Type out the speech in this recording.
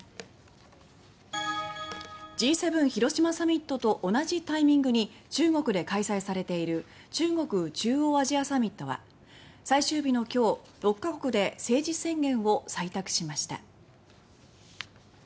Ｇ７広島サミットと同じタイミングに中国で開催されている中国・中央アジアサミットは最終日の今日６か国で政治宣言を採択する見込みです。